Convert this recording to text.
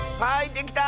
できた！